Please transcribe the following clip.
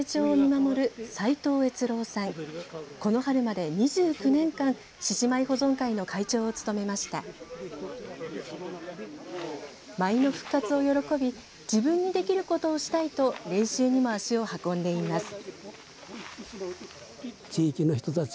舞の復活を喜び自分にできることをしたいと練習にも足を運んでいます。